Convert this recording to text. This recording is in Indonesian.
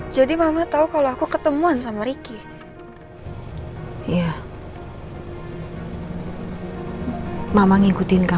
baik ibu itu keputusan ibu saya hanya menyampaikan